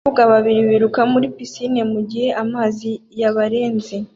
Abakobwa babiri biruka muri pisine mugihe amazi yabarenze